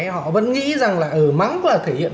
họ vẫn nghĩ rằng là ở mắng là thể hiện